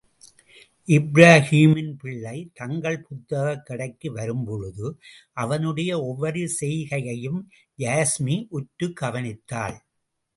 இப்ராஹீமின் பிள்ளை தங்கள், புத்தகக் கடைக்கு வரும்பொழுது அவனுடைய ஒவ்வொரு செய்கையையும், யாஸ்மி, உற்றுக் கவனித்தாள்.